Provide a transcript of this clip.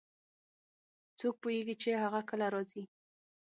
څوک پوهیږي چې هغه کله راځي